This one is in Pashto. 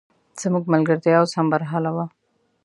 زموږ ملګرتیا اوس هم برحاله وه.